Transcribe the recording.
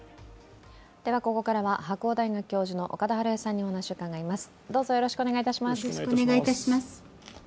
ここからは白鴎大学教授の岡田晴恵さんにお話を伺います。